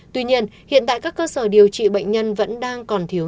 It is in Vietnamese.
tuy nhiên hiện tại các cơ sở điều trị bệnh nhân vẫn đang còn thiếu